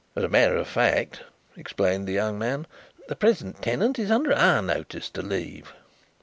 "As a matter of fact," explained the young man, "the present tenant is under our notice to leave."